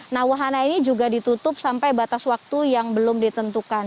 nah wahana ini juga ditutup sampai batas waktu yang belum ditentukan